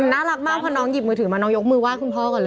น่ารักมากเพราะน้องหยิบมือถือมาน้องยกมือว่าขึ้นพ่อกันเลย